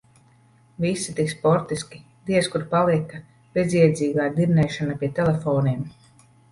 Visi tik sportiski, diez kur palika bezjēdzīgā dirnēšana pie telefoniem.